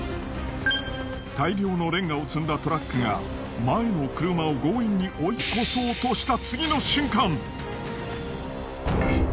大量のレンガを積んだトラックが前の車を強引に追い越そうとした。